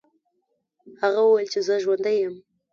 هغه وویل چې زه ژوندی یم.